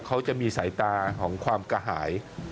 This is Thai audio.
เขาจะมีสายตาของความกระหาย